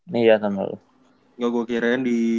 nih ya tahun lalu gak gue kirain di